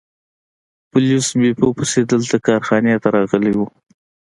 پولیس بیپو پسې دلته کارخانې ته راغلي وو.